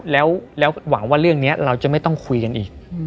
แล้วหวังว่าเรื่องนี้เราจะไม่ต้องคุยกันอีก